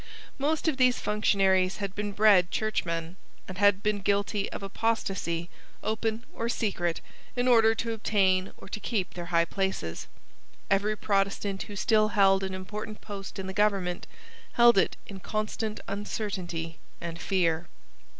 Most of these functionaries had been bred Churchmen, and had been guilty of apostasy, open or secret, in order to obtain or to keep their high places. Every Protestant who still held an important post in the government held it in constant uncertainty and fear.